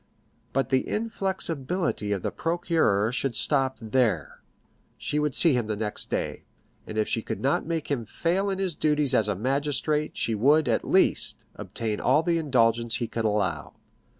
But the inflexibility of the procureur should stop there; she would see him the next day, and if she could not make him fail in his duties as a magistrate, she would, at least, obtain all the indulgence he could allow.